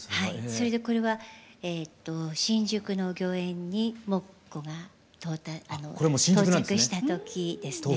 それでこれは新宿の御苑に「モッコ」が到着した時ですね。